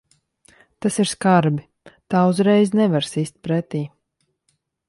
Tas ir skarbi. Tā uzreiz nevar sist pretī.